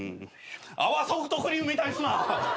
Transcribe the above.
泡ソフトクリームみたいにすな！